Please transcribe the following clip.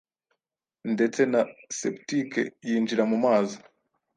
ndetse na septique - yinjira mu mazi,